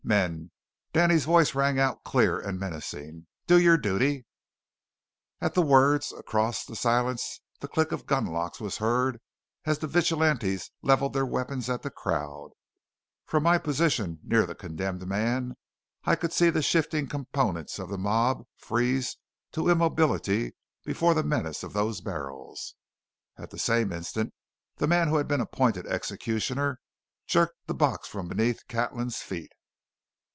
"Men," Danny's voice rang out, clear and menacing, "do your duty!" At the words, across the silence the click of gunlocks was heard as the Vigilantes levelled their weapons at the crowd. From my position near the condemned men I could see the shifting components of the mob freeze to immobility before the menace of those barrels. At the same instant the man who had been appointed executioner jerked the box from beneath Catlin's feet.